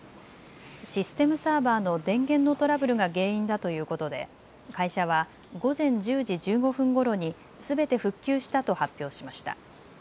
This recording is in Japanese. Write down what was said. システムサーバーの電源のトラブルが原因だということで会社は午前１０時１５分ごろにすべて復旧したと発表しました。